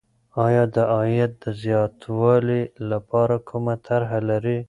آیا د عاید د زیاتوالي لپاره کومه طرحه لرې؟